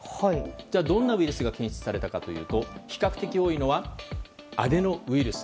じゃあ、どんなウイルスが検出されたかというと比較的多いのはアデノウイルス。